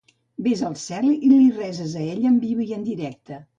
Ves al cel i li reses a ell en viu i en directe